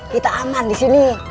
kita aman disini